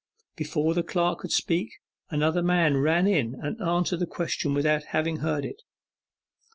Before the clerk could speak, another man ran in and answered the question without having heard it.